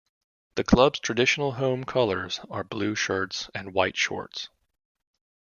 The club's traditional home colours are blue shirts and white shorts.